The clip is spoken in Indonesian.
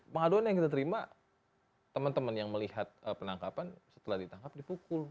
pengaduan yang kita terima teman teman yang melihat penangkapan setelah ditangkap dipukul